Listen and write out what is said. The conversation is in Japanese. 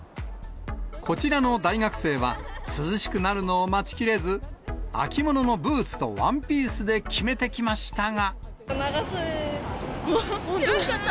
こちらの大学生は涼しくなるのを待ちきれず、秋物のブーツとワンピースでキメてきましたが。